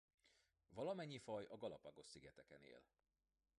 Valamennyi faj a Galápagos-szigeteken él.